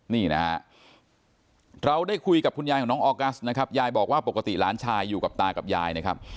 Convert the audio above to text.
นี่นะฮะเราได้คุยกับคุณยายของน้องออกัสนะครับยายบอกว่าปกติหลานชายอยู่กับตากับยายนะครับ